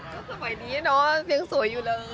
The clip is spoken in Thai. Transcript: ก็สมัยนี้เนาะยังสวยอยู่เลย